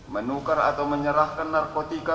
menukar atau menyerahkan narkotika